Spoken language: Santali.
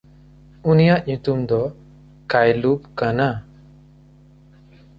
ᱩᱱᱤᱭᱟᱜ ᱧᱩᱛᱩᱢ ᱫᱚ ᱠᱟᱭᱞᱩᱵ ᱠᱟᱱᱟ᱾